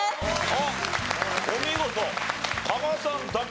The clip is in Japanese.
あっお見事加賀さんだけ全問正解。